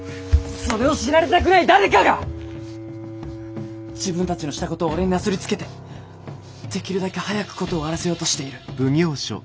それを知られたくない誰かが自分たちのしたことを俺になすりつけてできるだけ早く事を終わらせようとしている。